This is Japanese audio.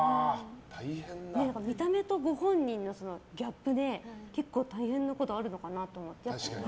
見た目とご本人のギャップで結構、大変なことがあるのかなと思って。